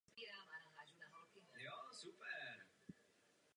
Uplatňování tohoto zákona je významným prostředkem k měření produktivity vědecké práce.